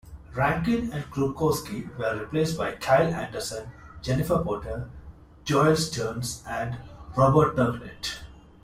Rankin and Krukowski were replaced Kyle Anderson, Jennifer Potter, Joel Stearns and Robert Turknett.